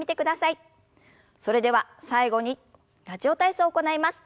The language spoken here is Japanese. それでは最後に「ラジオ体操」を行います。